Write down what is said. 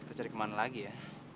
terus cari kemana lagi ya